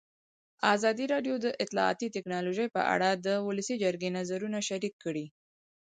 ازادي راډیو د اطلاعاتی تکنالوژي په اړه د ولسي جرګې نظرونه شریک کړي.